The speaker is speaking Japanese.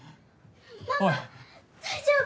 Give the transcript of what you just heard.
ママ大丈夫？